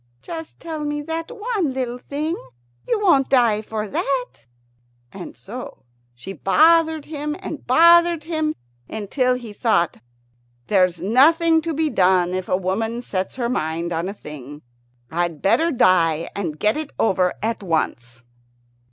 "Just tell me that one little thing. You won't die for that." And so she bothered him and bothered him, until he thought, "There's nothing to be done if a woman sets her mind on a thing. I'd better die and get it over at once."